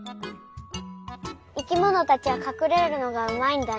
生きものたちはかくれるのがうまいんだなとおもった。